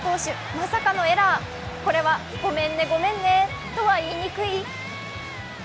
まさかのエラー、これは「ごめんねごめんね」とは言いにくい？